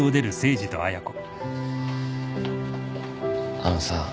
あのさ。